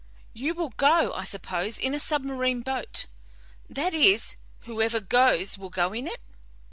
You will go, I suppose, in a submarine boat that is, whoever goes will go in it?"